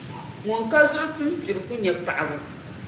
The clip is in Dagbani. Ŋun ka zuɣu tum’ kpira ku nya paɣibu.